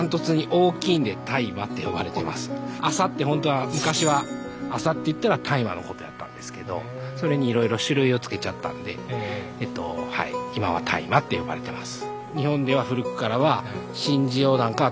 麻って本当は昔は麻っていったら大麻のことやったんですけどそれにいろいろ種類をつけちゃったんで今は大麻って呼ばれてます。